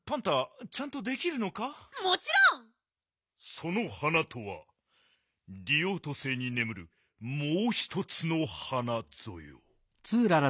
その花とはリオート星にねむるもうひとつの花ぞよ。